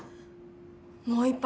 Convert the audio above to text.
もう一杯。